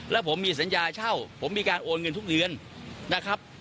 แล้วผมมีสัญญาเช่าผมมีการโอนเงินทุกเดือนนะครับ